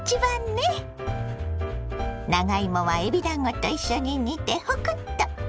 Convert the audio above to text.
長芋はえびだんごと一緒に煮てホクッと！